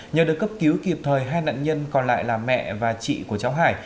nhờ được cấp cứu kịp thời hai nạn nhân còn lại là mẹ và chị của cháu hải